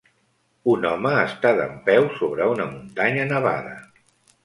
Un home està dempeus sobre una muntanya nevada.